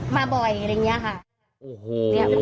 มาบ่อยอะไรอย่างนี้ค่ะ